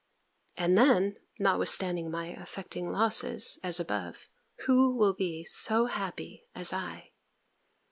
And then, notwithstanding my affecting losses, as above, who will be so happy as I?